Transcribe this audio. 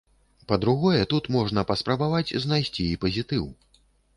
Па-другое, тут можна паспрабаваць знайсці і пазітыў.